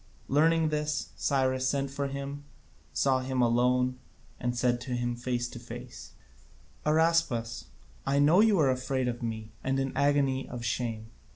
Learning this, Cyrus sent for him, saw him alone, and said to him face to face: "Araspas, I know that you are afraid of me and in an agony of shame.